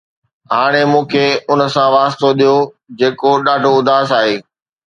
هاڻي مون کي ان سان واسطو ڏيو جيڪو ڏاڍو اداس آهي